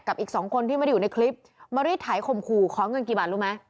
อีกสองคนที่ไม่ได้อยู่ในคลิปมารีดไถข่มขู่ขอเงินกี่บาทรู้ไหม